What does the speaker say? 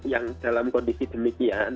yang dalam kondisi demikian